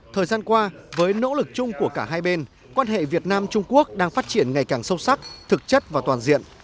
thời gian qua với nỗ lực chung của cả hai bên quan hệ việt nam trung quốc đang phát triển ngày càng sâu sắc thực chất và toàn diện